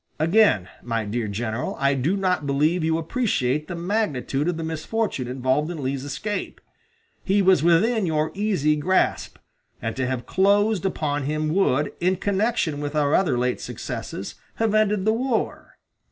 Again, my dear general, I do not believe you appreciate the magnitude of the misfortune involved in Lee's escape. He was within your easy grasp, and to have closed upon him would, in connection with our other late successes, have ended the war.